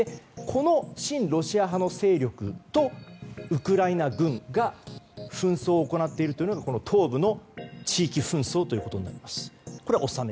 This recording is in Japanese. この親ロシア派の勢力とウクライナ軍が紛争を行っているというのが東部の地域紛争ということになります。